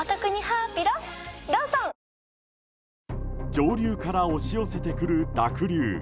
上流から押し寄せてくる濁流。